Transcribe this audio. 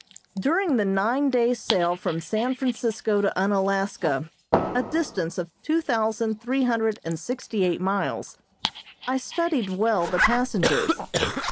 During the nine days' sail from San Francisco to Unalaska, a distance of two thousand three hundred and sixty eight miles, I studied well the passengers.